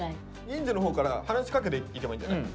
銀志のほうから話しかけていけばいいんじゃない？